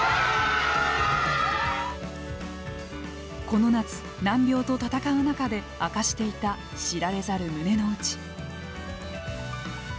この夏、難病と闘う中で明かしていた、知られざる胸の内。